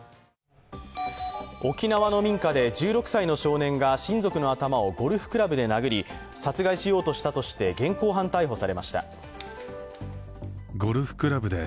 沖縄の民家で１６歳の少年が親族の頭をゴルフクラブで殴り殺害しようとしたとして現行犯逮捕されました。